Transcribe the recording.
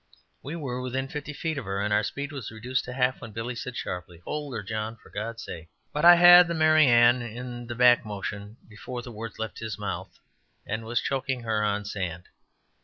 We were within fifty feet of her, and our speed was reduced to half, when Billy said sharply: "Hold her, John for God's sake!" But I had the "Mary Ann" in the back motion before the words left his mouth, and was choking her on sand.